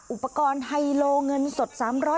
อุปกรณ์ไฮโลเงินสด๓๐๐